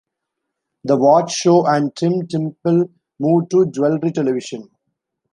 "The Watch Show" and Tim Temple moved to Jewelry Television.